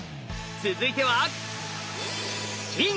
続いては銀！